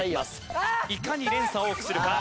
いかに連鎖を多くするか。